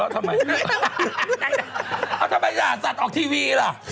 เอาทำไมด่าสัตว์ออกทีวีล่ะ